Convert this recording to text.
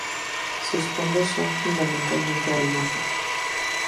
Su fondos son fundamentalmente arenosos.